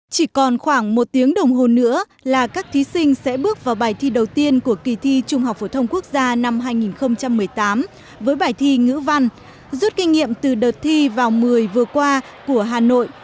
chỉ còn khoảng một tiếng đồng hồ nữa là các thí sinh sẽ bước vào bài thi đầu tiên của kỳ thi trung học phổ thông quốc gia năm hai nghìn một mươi tám với bài thi ngữ văn rút kinh nghiệm từ đợt thi vào một mươi vừa qua của hà nội